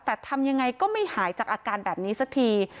แต่ทำยังไงก็ไม่หายจากอาการแบบนี้สักที